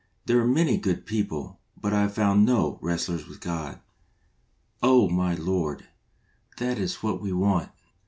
There are many good people, but I have found no wrestlers with God. O my Lord, that is what we want!